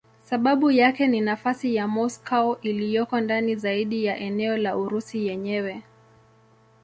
Sababu yake ni nafasi ya Moscow iliyoko ndani zaidi ya eneo la Urusi yenyewe.